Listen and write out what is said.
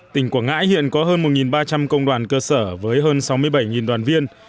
tỉnh quảng ngãi hiện có hơn một ba trăm linh công đoàn cơ sở với hơn sáu mươi bảy đoàn viên